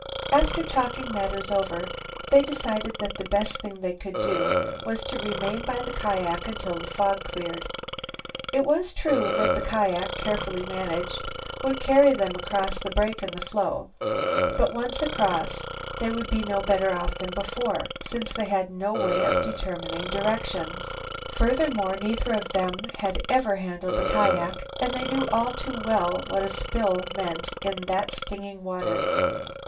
After talking matters over they decided that the best thing they could do was to remain by the kiak until the fog cleared. It was true that the kiak, carefully managed, would carry them across the break in the floe, but, once across, they would be no better off than before, since they had no way of determining directions. Furthermore, neither of them had ever handled a kiak and they knew all too well what a spill meant in that stinging water.